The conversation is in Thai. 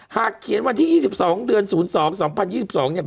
เขียนวันที่๒๒เดือน๐๒๒๐๒๒เนี่ย